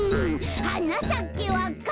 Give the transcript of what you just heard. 「はなさけわか蘭」